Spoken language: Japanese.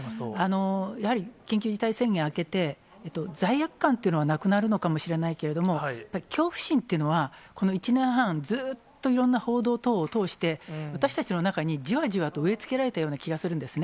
やはり緊急事態宣言明けて、罪悪感というのはなくなるのかもしれないけれども、やっぱり恐怖心っていうのはこの１年半、ずっといろんな報道等を通して、私たちの中にじわじわと植え付けられたような気がするんですね。